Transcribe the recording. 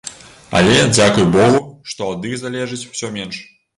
Але, дзякуй богу, што ад іх залежыць усё менш.